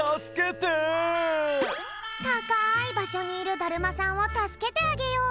たかいばしょにいるだるまさんをたすけてあげよう！